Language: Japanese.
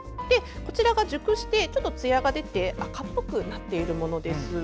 こちらが熟して、つやが出て赤っぽくなっているものです。